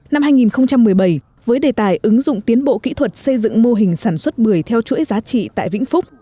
năm hai nghìn một mươi bảy với đề tài ứng dụng tiến bộ kỹ thuật xây dựng mô hình sản xuất bưởi theo chuỗi giá trị tại vĩnh phúc